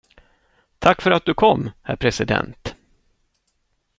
Tack för att du kom, herr president.